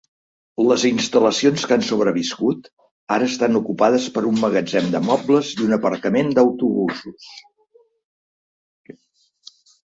Les instal·lacions que han sobreviscut, ara estan ocupades per un magatzem de mobles i un aparcament d'autobusos.